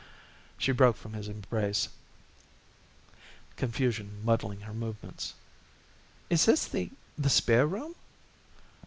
She broke from his embrace, confusion muddling her movements. "Is this the the spare room?"